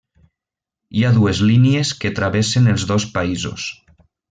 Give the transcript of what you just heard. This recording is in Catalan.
Hi ha dues línies que travessen els dos països.